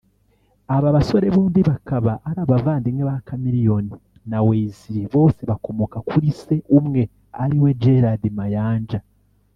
Aba basore bombi bakaba ari abavandimwe ba Chameleone na Weasel bose bakomoka kuri se umwe ariwe Gerald Mayanja